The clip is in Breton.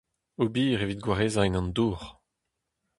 Ober evit gwareziñ an dour.